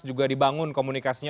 juga dibangun komunikasinya